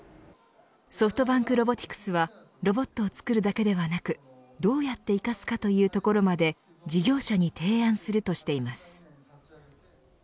ソフトバンクロボティクスはロボットを作るだけではなくどうやって生かすかというところまで事業者に提案するとしています。